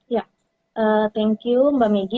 ya thank you mbak megi